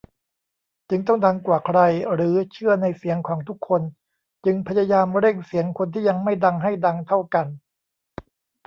จึงต้องดังกว่าใคร หรือเชื่อในเสียงของทุกคน จึงพยายามเร่งเสียงคนที่ยังไม่ดัง ให้ดังเท่ากัน ?